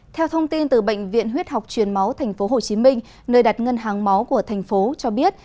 theo thông tin từ bệnh viện huyết học truyền máu tp hcm nơi đặt ngân hàng máu của thành phố cho biết